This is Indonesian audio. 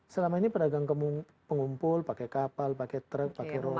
selama ini pedagang pengumpul pakai kapal pakai truk pakai roda